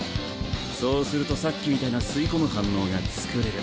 そうするとさっきみたいな吸い込む反応が作れる。